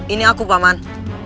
ini aku paman